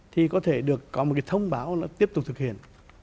thì có thể có một cái thông báo nó tiếp tục thực hiện